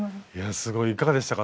すごいいかがでしたか？